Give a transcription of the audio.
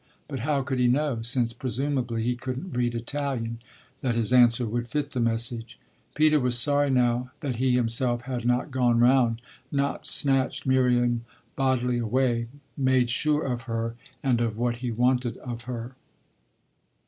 But how could he know, since presumably he couldn't read Italian, that his answer would fit the message? Peter was sorry now that he himself had not gone round, not snatched Miriam bodily away, made sure of her and of what he wanted of her.